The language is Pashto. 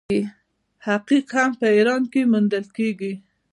عقیق هم په ایران کې موندل کیږي.